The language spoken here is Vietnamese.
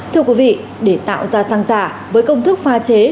thưa quý vị để tạo ra xăng giả với công thức pha chế